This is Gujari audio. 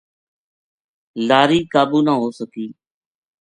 لاری قابو نہ ہوسکی